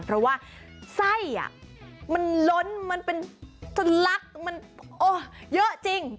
เพราะว่าไส้มันล้นมันเป็นสลักมันเยอะจริง